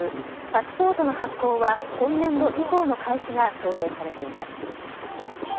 パスポートの発行は今年度以降の開始が想定されています。